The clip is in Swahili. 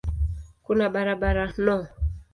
Kuna barabara no.